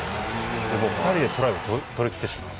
もう２人でトライを取り切ってしまう。